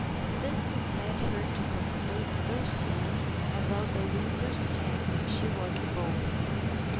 This led her to consult Ursula about the winter's hat she was evolving.